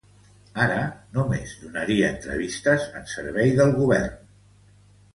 Ara, només donaria entrevistes en servici del govern.